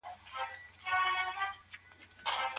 علم د ايمان د پياوړتيا سبب دی.